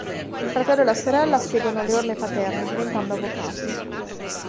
Il fratello e la sorella seguono le orme paterne diventando avvocati.